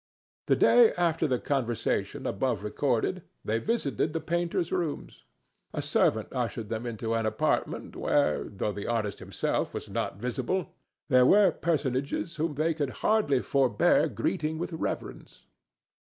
The day after the conversation above recorded they visited the painter's rooms. A servant ushered them into an apartment where, though the artist himself was not visible, there were personages whom they could hardly forbear greeting with reverence.